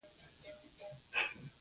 وزې خوشاله طبیعت لري